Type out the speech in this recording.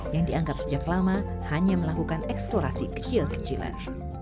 yang dianggap sejak lama hanya melakukan eksplorasi kecil kecilan